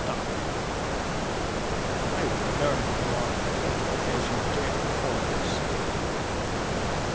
"How learned you are in fortification, dear Porthos."